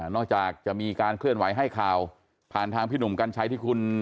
จากจะมีการเคลื่อนไหวให้ข่าวผ่านทางพี่หนุ่มกัญชัยที่คุณ